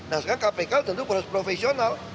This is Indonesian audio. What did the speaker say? nah sekarang kpk tentu proses profesional